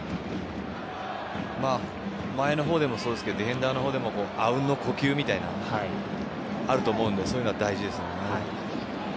前の方でもそうですがディフェンダーでもあうんの呼吸みたいなあると思うのでそういうのは大事ですね。